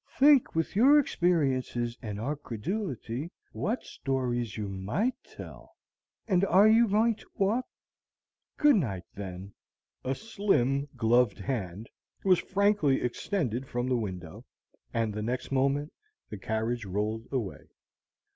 Think, with your experiences and our credulity, what stories you MIGHT tell! And you are going to walk? Good night, then." A slim, gloved hand was frankly extended from the window, and the next moment the carriage rolled away.